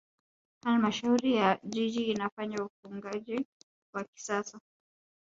halmashauri ya jiji inafanya ufugaji wa kisasa